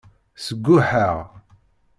Sguḥeɣ.